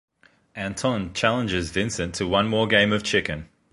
Anton challenges Vincent to one more game of chicken.